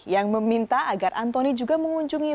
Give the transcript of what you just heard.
yang meminta agar anthony juga mengunjungi